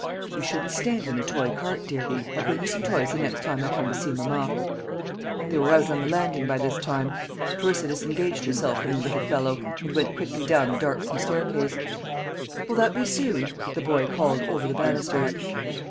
"You shouldn't stand in a toy cart, dear. I'll bring you some toys the next time I come to see mamma." They were out on the landing by this time. Clarissa disengaged herself from the little fellow, and went quickly down the darksome staircase. "Will that be soon?" the boy called over the banisters.